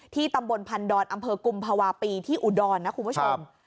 ตำบลพันดอนอำเภอกุมภาวะปีที่อุดรนะคุณผู้ชม